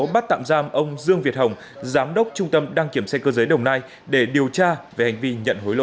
bắt tạm giam ông dương việt hồng giám đốc trung tâm đăng kiểm xe cơ giới đồng nai để điều tra về hành vi nhận hối lộ